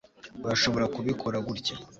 urashobora kubikora gutya